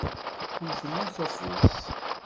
Wwtent akk afus.